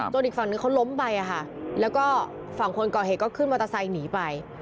อีกฝั่งนึงเขาล้มไปแล้วก็ฝั่งคนก่อเหตุก็ขึ้นมอเตอร์ไซค์หนีไป